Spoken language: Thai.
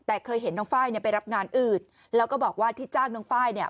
แต่เคยเห็นน้องไฟล์ไปรับงานอืดแล้วก็บอกว่าที่จ้างน้องไฟล์